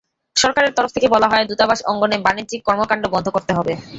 সরকারের তরফ থেকে বলা হয়, দূতাবাস অঙ্গনে বাণিজ্যিক কর্মকাণ্ড বন্ধ করতে হবে।